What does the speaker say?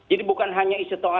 jadi bukan hanya isi toa